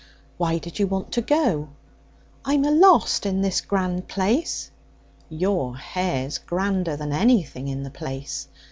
'Why did you want to go?' 'I'm alost in this grand place.' 'Your hair's grander than anything in the place.